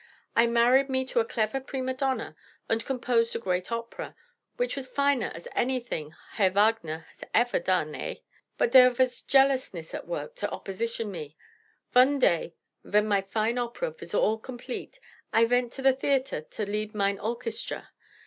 I married me to a clefer prima donna, unt composed a great opera, which vas finer as anything Herr Wagner has efer done. Eh? But dere vas jealousness at work to opposition me. Von day ven my fine opera vas all complete I vent to the theater to lead mine orchestra.